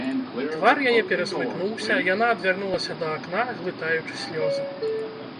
Твар яе перасмыкнуўся, яна адвярнулася да акна, глытаючы слёзы.